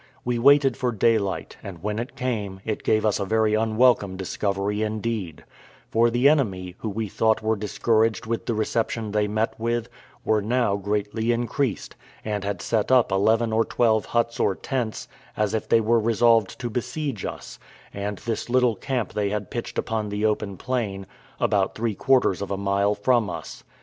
We waited for daylight, and when it came, it gave us a very unwelcome discovery indeed; for the enemy, who we thought were discouraged with the reception they met with, were now greatly increased, and had set up eleven or twelve huts or tents, as if they were resolved to besiege us; and this little camp they had pitched upon the open plain, about three quarters of a mile from us.